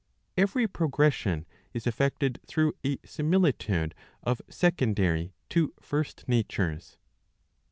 Every progression is effected through a similitude of secondary to first natures.